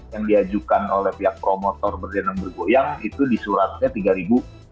yang diajukan oleh pihak promotor berdenang bergoyang itu disuratnya tiga ribu